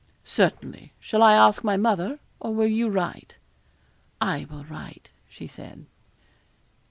'Certainly; shall I ask my mother, or will you write?' 'I will write,' she said.